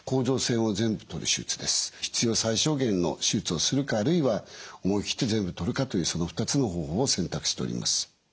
必要最小限の手術をするかあるいは思い切って全部取るかというその２つの方法を選択しております。